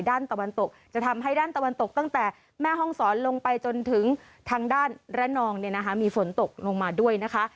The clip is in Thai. ตะวันตกจะทำให้ด้านตะวันตกตั้งแต่แม่ห้องศรลงไปจนถึงทางด้านระนองเนี่ยนะคะมีฝนตกลงมาด้วยนะคะ